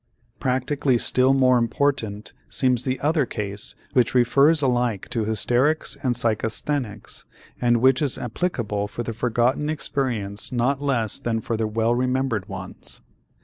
Practically still more important seems the other case which refers alike to hysterics and psychasthenics and which is applicable for the forgotten experience not less than for the well remembered ones.